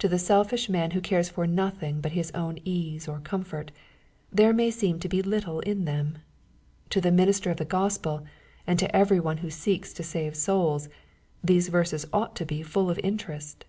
To the selfish man, who cares for nothing but his own ease or comfort, there may seem to be little in them. To the minister of the Gospel, and to every one who seeks to save souls, these verses ought to be full of interest.